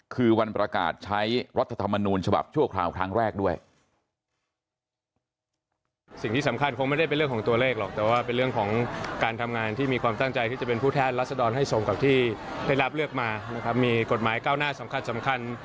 คือวันประกาศใช้รัฐธรรมนูญฉบับชั่วคราวครั้งแรกด้วย